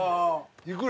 いくら？